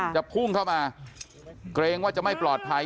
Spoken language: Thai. จะพุ่งเข้ามาเกรงว่าจะไม่ปลอดภัย